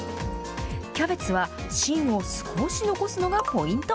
キャベツは芯を少し残すのがポイント。